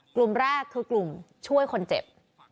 กลุ่มแรกคือกลุ่มช่วยคนเจ็บ